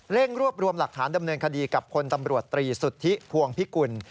รวบรวมหลักฐานดำเนินคดีกับพลตำรวจตรีสุทธิพวงพิกุล